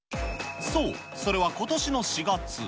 そう、それはことしの４月。